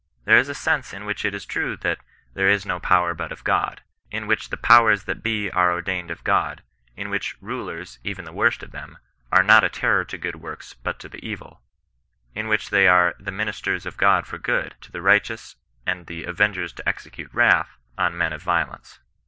There is a sense in which it is true that " there is no power but of God ;" in which " the powers that be are ordained of God ;" in which " rulers," even the worst of them, " are not a terror to good works, but to the evil ;" in which they are " the ministers of God for good" to the righteous, and " avengers to execute wrath" on men of violence.